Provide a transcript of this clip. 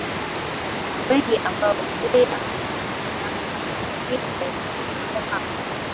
wengi ambao yeye amewatusi miaka uliyopita walifika hapo hapo